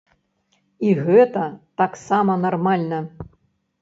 І гэта таксама нармальна.